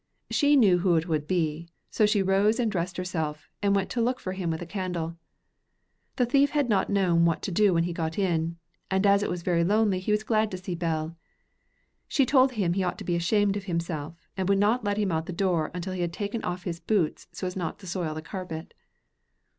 She knew who it would be, so she rose and dressed herself, and went to look for him with a candle. The thief had not known what to do when he got in, and as it was very lonely he was glad to see Bell. She told him he ought to be ashamed of himself, and would not let him out by the door until he had taken off his boots, so as not to soil the carpet.